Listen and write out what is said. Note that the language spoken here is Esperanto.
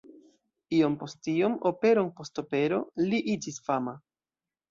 Iom post iom, operon post opero, li iĝis fama.